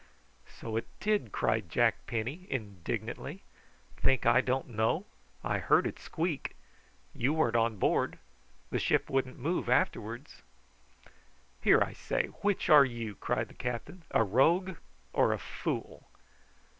"So it did!" cried Jack Penny indignantly. "Think I don't know? I heard it squeak. You weren't on board. The ship wouldn't move afterwards." "Here, I say; which are you?" cried the captain; "a rogue or a fool?"